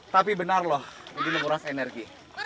tapi benar loh ini menguras energi